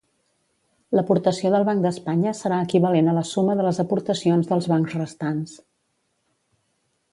L'aportació del Banc d'Espanya serà equivalent a la suma de les aportacions dels bancs restants.